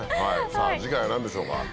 さぁ次回は何でしょうか？